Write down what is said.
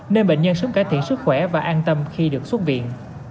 nên bệnh nhân sớm cải thiện sức khỏe và an tâm khi được xuất viện